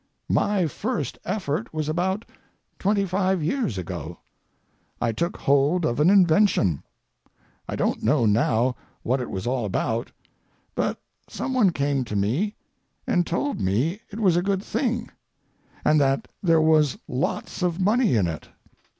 My first effort was about twenty five years ago. I took hold of an invention—I don't know now what it was all about, but some one came to me and told me it was a good thing, and that there was lots of money in it.